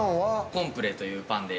◆コンプレというパンで。